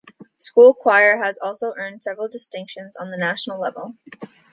School choir has also earned several distinctions on the national level.